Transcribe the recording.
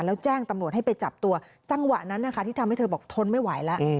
แล้วแจ้งตำรวจให้ไปจับตัวจังหวะนั้นนะคะที่ทำให้เธอบอกทนไม่ไหวแล้ว